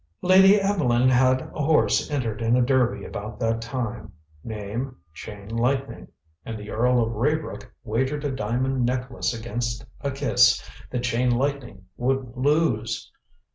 Lady Evelyn had a horse entered in a derby about that time name, Chain Lightning. And the Earl of Raybrook wagered a diamond necklace against a kiss that Chain Lightning would lose."